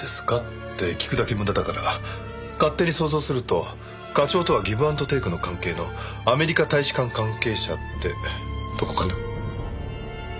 って聞くだけ無駄だから勝手に想像すると課長とはギブ・アンド・テイクの関係のアメリカ大使館関係者ってとこかな？